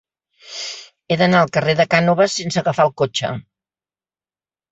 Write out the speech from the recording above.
He d'anar al carrer de Cànoves sense agafar el cotxe.